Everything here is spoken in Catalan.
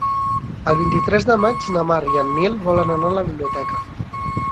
El vint-i-tres de maig na Mar i en Nil volen anar a la biblioteca.